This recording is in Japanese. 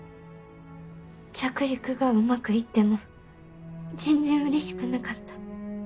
着陸がうまくいっても全然うれしくなかった。